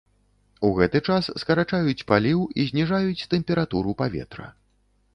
У гэты час скарачаюць паліў і зніжаюць тэмпературу паветра.